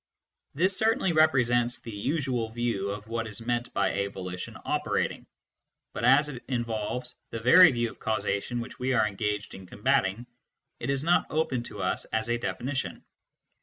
This certainly represents the usual view of what is meant by a volition " operating," but as it involves the very view of causation which we are engaged in combating, it is not open to us as a definition.